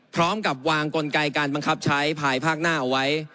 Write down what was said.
พร้อมกับวางกลไกการบังคับใช้ภายภาคหน้าเอาไว้